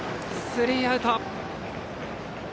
スリーアウト。